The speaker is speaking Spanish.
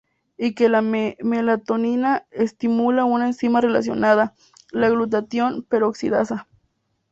Y que la melatonina estimula una enzima relacionada, la glutatión peroxidasa.